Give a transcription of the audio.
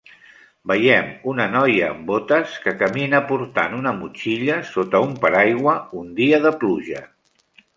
Veiem una noia amb botes que camina portant una motxilla sota un paraigua un dia de pluja